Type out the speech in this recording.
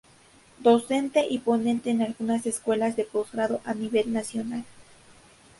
Docente y ponente en algunas escuelas de posgrado a nivel nacional.